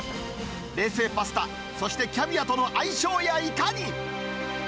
冷製パスタ、そしてキャビアとの相性やいかに。